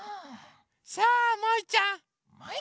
さあもいちゃんもい？